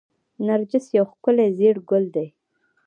نرجس یو ښکلی ژیړ ګل دی